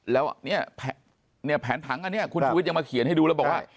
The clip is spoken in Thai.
แล้วเนี่ยแผนผังอันนี้คุณชูวิทยังมาเขียนให้ดูแล้วบอกว่า